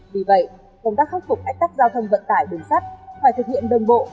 vì vậy công tác khắc phục cách tắt giao thông vận tải đường sắt phải thực hiện đồng bộ